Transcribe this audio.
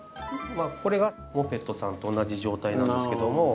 これがモペットさんと同じ状態なんですけども。